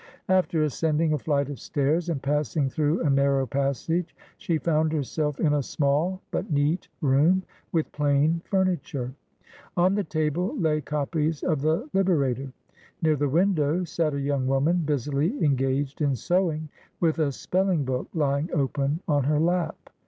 After ascending a flight of stairs and pass ing through a narrow passage, she found herself in a small but neat room, with plain furniture. On the table lay copies of the Liberator. Near the window sat a young woman, busily engaged in sewing, with a AN AMERICAN BONDMAN. 81 spelling book lying open on her lap.